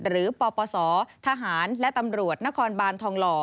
ปปศทหารและตำรวจนครบานทองหล่อ